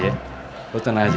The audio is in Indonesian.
udah lo tenang aja yeh